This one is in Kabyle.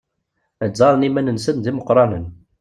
Ẓẓaren iman-nsen d imeqqranen.